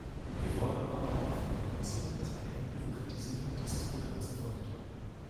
Wir fordern aber auch von der Kommission, dass eine Entbürokratisierung dieses Programms erfolgt.